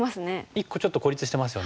１個ちょっと孤立してますよね。